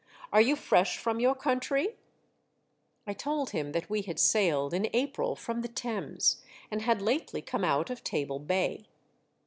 " Are you fresh from your country ?" I told him that we had sailed in April from the Thames, and had lately come out of Table Bay.